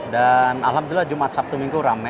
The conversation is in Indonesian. dan alhamdulillah jumat sabtu minggu rame